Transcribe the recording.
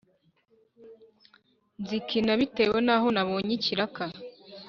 nzikina bitewe n’aho nabonye ikiraka